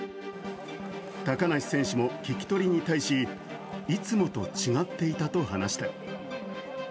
高梨選手も聞き取りに対しいつもと違っていたと話した。